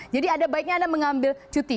jadi ada baiknya anda mengambil cuti